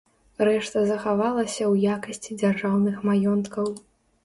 Рэшта захавалася ў якасці дзяржаўных маёнткаў.